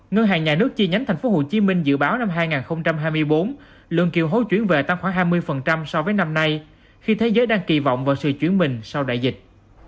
ngân hàng nhà nước chi nhánh tp hcm dự báo năm hai nghìn hai mươi bốn lượng kiều hối chuyển về tăng khoảng hai mươi so với năm nay khi thế giới đang kỳ vọng vào sự chuyển mình sau đại dịch